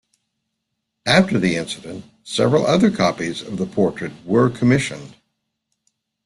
After the incident, several other copies of the portrait were commissioned.